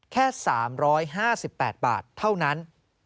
แค่๓๕๘บาทเท่านั้น